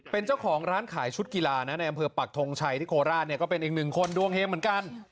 เป็นเจ้าของร้านขายชุดกีฬานะในอำเภอปักทงชัยที่โคราชเนี่ยก็เป็นอีกหนึ่งคนดวงเฮงเหมือนกัน